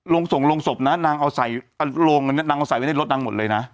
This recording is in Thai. โรงส่งโรงศพน่ะนางเอาใส่อ่าโรงนางเอาใส่ไว้ในรถนางหมดเลยน่ะ